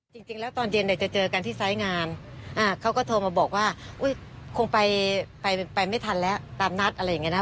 จริงแล้วตอนเย็นเนี่ยจะเจอกันที่ไซส์งานเขาก็โทรมาบอกว่าอุ๊ยคงไปไปไม่ทันแล้วตามนัดอะไรอย่างนี้นะ